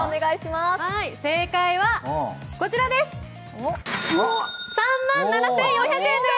正解は３万７４００円です。